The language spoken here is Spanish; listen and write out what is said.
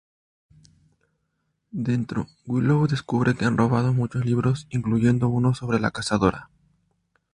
Dentro, Willow descubre que han robado muchos libros, incluyendo uno sobre la Cazadora.